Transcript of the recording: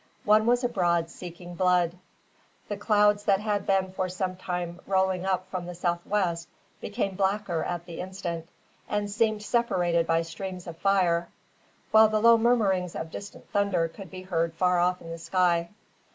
One was abroad seeking blood. The clouds that had been for some time rolling up from the south west became blacker at the instant, and seemed separated by streams of fire, while the low murmurings of distant thunder could be heard far off in the sky.